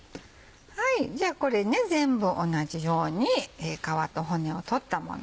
じゃあこれ全部同じように皮と骨を取ったもの